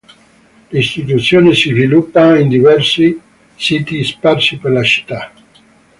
L'istituzione si sviluppa in diversi siti sparsi per la città.